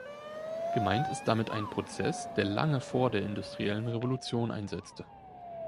Gemeint ist damit ein Prozess, der lange vor der Industriellen Revolution einsetzte.